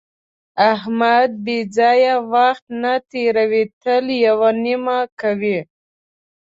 احمد بې ځایه وخت نه تېروي، تل یوه نیمه کوي.